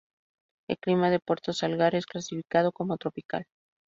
El clima de Puerto Salgar es clasificado como tropical.